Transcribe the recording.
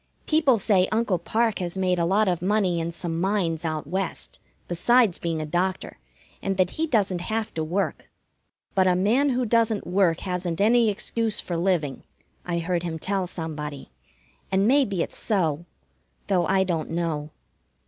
People say Uncle Parke has made a lot of money in some mines out West, besides being a doctor, and that he doesn't have to work. "But a man who doesn't work hasn't any excuse for living," I heard him tell somebody, and maybe it's so, though I don't know.